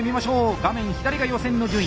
画面左が予選の順位！